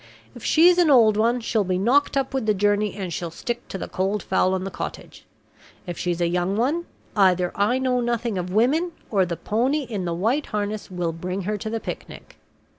"If she's an old one, she'll be knocked up with the journey, and she'll stick to the cold fowl and the cottage. If she's a young one, either I know nothing of women, or the pony in the white harness will bring her to the picnic."